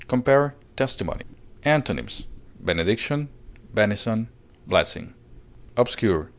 Compare TESTIMONY. Antonyms: benediction, benison, blessing. OBSCURE.